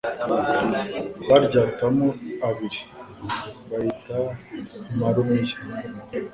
Baryatamo abiri bayita amarumiya